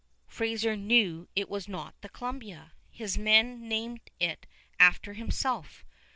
Fraser knew it was not the Columbia. His men named it after himself.